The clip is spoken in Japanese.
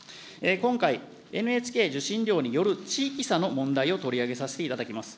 今回、ＮＨＫ受信料による地域差の問題を取り上げさせていただきます。